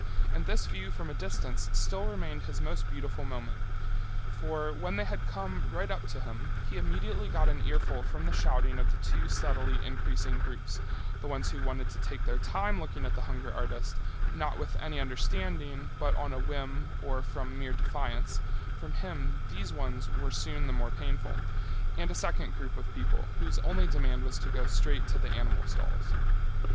And this view from a distance still remained his most beautiful moment. For when they had come right up to him, he immediately got an earful from the shouting of the two steadily increasing groups, the ones who wanted to take their time looking at the hunger artist, not with any understanding but on a whim or from mere defiance—for him these ones were soon the more painful—and a second group of people whose only demand was to go straight to the animal stalls.